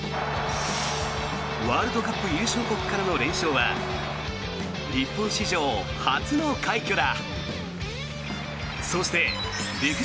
ワールドカップ優勝国からの連勝は日本史上初の快挙だ。